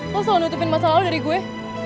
lo selalu nutupin masalah lo dari gue